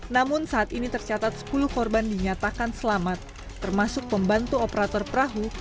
namun saat ini tercatat sepuluh korban dinyatakan selamat termasuk pembantu operator perahu